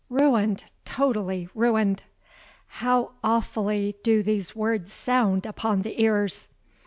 'Ruined—totally ruined:' how awfully do these words sound upon the ears!